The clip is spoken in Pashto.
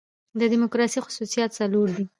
د ډیموکراسۍ خصوصیات څلور دي.